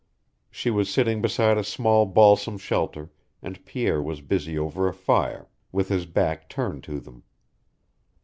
She was sitting beside a small balsam shelter, and Pierre was busy over a fire, with his back turned to them.